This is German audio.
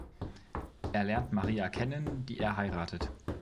Er lernt Maria kennen, die er heiratet.